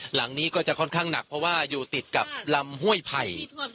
หลังนี้ก็จะค่อนข้างหนักเพราะว่าอยู่ติดกับลำห้วยไผ่